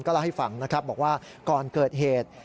เล่าให้ฟังนะครับบอกว่าก่อนเกิดเหตุ